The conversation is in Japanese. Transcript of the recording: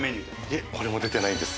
いえこれも出てないんです。